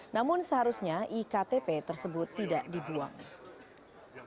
namun seharusnya iktp tersebut tidak dibuang